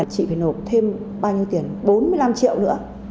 chị phải nộp thêm bao nhiêu tiền bốn mươi năm triệu nữa